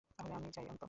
তাহলে আমি যাই অন্তু।